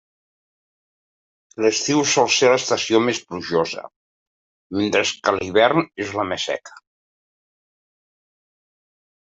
L’estiu sol ser l’estació més plujosa, mentre que l’hivern és la més seca.